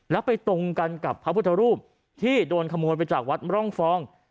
แล้วไปตรงกันกับพระพุทธรูปที่โดนขโมยไปจากวัดร่องฟอง